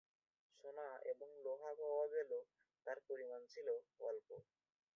সোনা এবং লোহা পাওয়া গেল তার পরিমাণ ছিল স্বল্প।